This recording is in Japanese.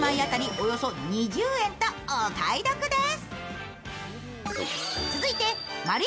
およそ２０円とお買い得です。